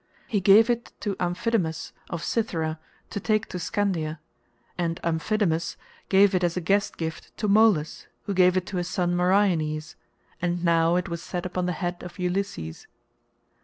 He gave it to Amphidamas of Cythera to take to Scandea, and Amphidamas gave it as a guest gift to Molus, who gave it to his son Meriones; and now it was set upon the head of Ulysses.